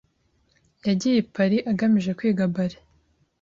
Yagiye i Paris agamije kwiga ballet.